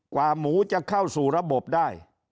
กว่าหมูจะเข้าสู่ระบบได้